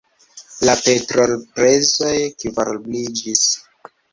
La petrolprezoj kvarobliĝis.